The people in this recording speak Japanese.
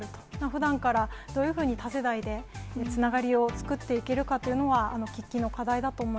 ふだんからどういうふうに多世代でつながりを作っていけるかといそうですね。